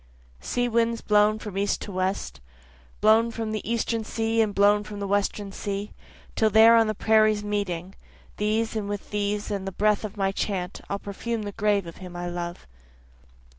Sea winds blown from east and west, Blown from the Eastern sea and blown from the Western sea, till there on the prairies meeting, These and with these and the breath of my chant, I'll perfume the grave of him I love.